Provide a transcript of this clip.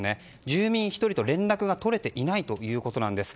住民１人と連絡が取れていないということです。